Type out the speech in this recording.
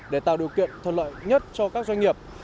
để tạo điều kiện thuận lợi nhất cho các doanh nghiệp